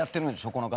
この方。